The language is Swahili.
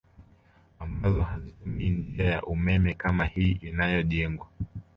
Ambazo hazitumii njia ya umeme kama hii inayojengwa